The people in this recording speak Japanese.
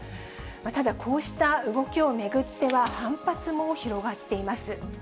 ただこうした動きを巡っては、反発も広がっています。